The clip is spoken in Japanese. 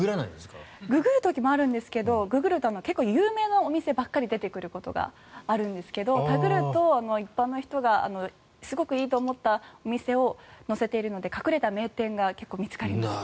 ググる時もあるんですけどググると有名のお店ばっかり出ることがあるんですけどタグると一般の人がすごくいいと思ったお店を載せているので隠れた名店が結構見つかりますね。